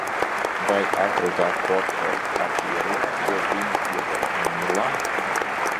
Vai atradāt portfeli ar ieroci, ko viņi iedeva Nīlam?